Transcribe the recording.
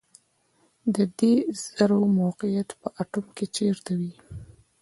د دې ذرو موقعیت په اتوم کې چیرته وي